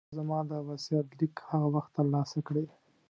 ته به زما دا وصیت لیک هغه وخت ترلاسه کړې.